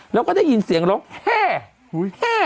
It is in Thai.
แล้วก็ได้ยินเสียงร้องแห้